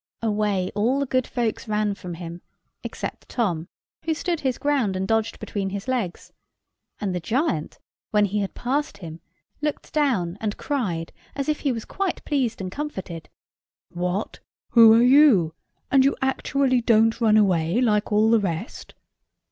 Away all the good folks ran from him, except Tom, who stood his ground and dodged between his legs; and the giant, when he had passed him, looked down, and cried, as if he was quite pleased and comforted,— "What? who are you? And you actually don't run away, like all the rest?"